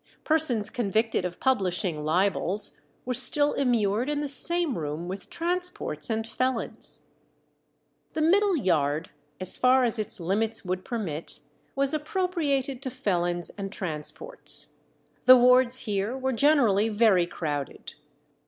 Persons convicted of publishing libels were still immured in the same rooms with transports and felons. The middle yard, as far as its limits would permit, was appropriated to felons and transports. The wards here were generally very crowded.